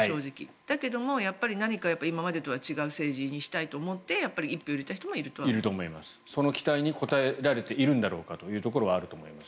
だけども、何か今までとは違う政治にしたいと思って一票を入れた人もその期待に応えられているんだろうかというところはあると思います。